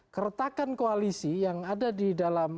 seakan akan koalisi yang ada di dalam